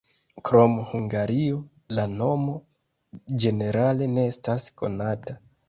Krom Hungario la nomo ĝenerale ne estas konata.